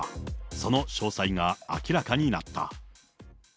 その詳細が明らかになった。